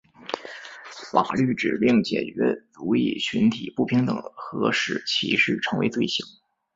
法律指令解决族裔群体不平等和使歧视成为罪行。